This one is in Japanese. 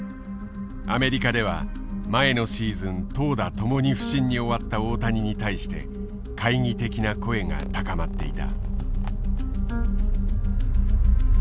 アメリカでは前のシーズン投打ともに不振に終わった大谷に対して懐疑的な声が高まっていた。